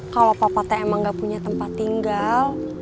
kalau papa teh emang gak punya tempat tinggal